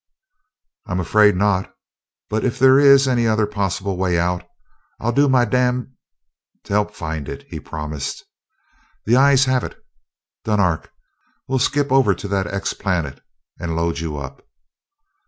"I'm afraid not but if there is any other possible way out, I'll do my da to help find it," he promised. "The ayes have it. Dunark, we'll skip over to that 'X' planet and load you up."